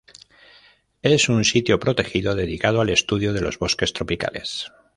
Es un sitio protegido dedicado al estudio de los bosques tropicales.